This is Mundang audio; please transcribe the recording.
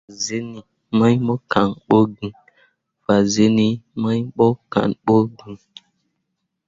Fasǝǝni mai mo kan ɓo iŋ.